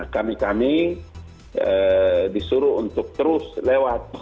kami kami disuruh untuk terus lewat